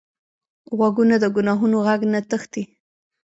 غوږونه د ګناهونو غږ نه تښتي